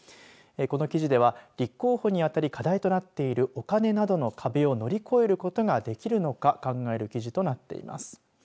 記事では立候補にあたり課題となっているお金などの壁を乗り越えることができるのか考える記事となっています。